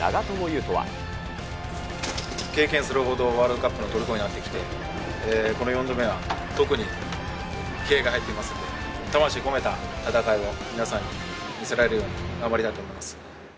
経験するほどワールドカップのとりこになってきて、この４度目は、特に気合いが入っていますんで、魂込めた戦いを皆さんに見せられるように頑張りたいと思います。